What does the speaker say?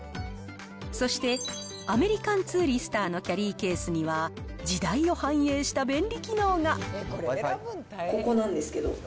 そしてアメリカンツーリスターのキャリーケースには、ここなんですけど。